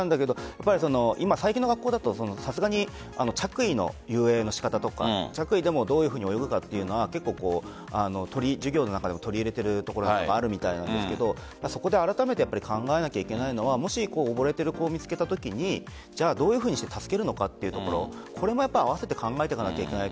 最近の学校だとさすがに着衣の遊泳の仕方とか着衣でもどういうふうに泳ぐかというのは授業の中でも取り入れているところもあるみたいなんですけどそこで、あらためて考えなければいけないのはもし、溺れている子を見つけたときにどう助けるのかというところこれも併せて考えていかなければいけない。